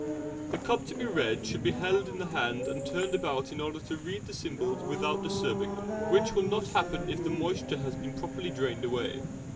The cup to be read should be held in the hand and turned about in order to read the symbols without disturbing them, which will not happen if the moisture has been properly drained away.